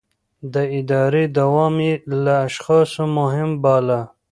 د ادارې دوام يې له اشخاصو مهم باله.